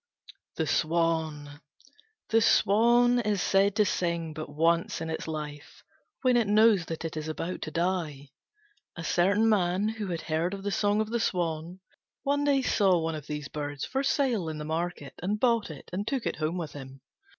THE SWAN The Swan is said to sing but once in its life when it knows that it is about to die. A certain man, who had heard of the song of the Swan, one day saw one of these birds for sale in the market, and bought it and took it home with him.